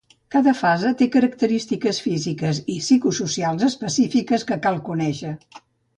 Cada fase té característiques físiques i psicosocials específiques que cal conèixer.